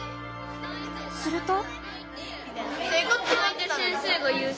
すると。